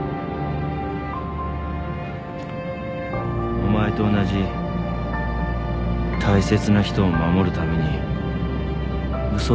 お前と同じ大切な人を守るために嘘をついてたんだ。